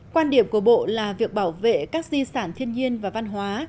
quan điểm của bộ là việc bảo vệ các di sản thiên nhiên và văn hóa